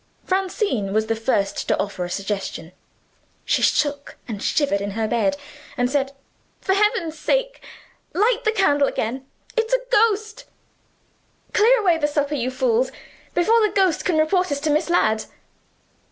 Francine was the first to offer a suggestion. She shook and shivered in her bed, and said, "For heaven's sake, light the candle again! It's a Ghost." "Clear away the supper, you fools, before the ghost can report us to Miss Ladd."